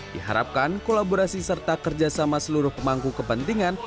diharapkan kolaborasi serta kerjasama seluruh pemangku kepentingan